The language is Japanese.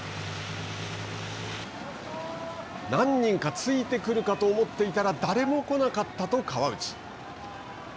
何人かついてくるかと思っていたら誰も来なかったと川内。